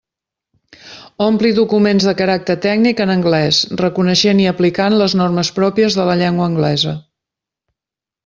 Ompli documents de caràcter tècnic en anglés reconeixent i aplicant les normes pròpies de la llengua anglesa.